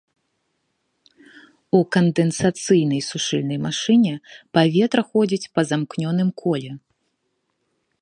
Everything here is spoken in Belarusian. У кандэнсацыйнай сушыльнай машыне паветра ходзіць па замкнёным коле.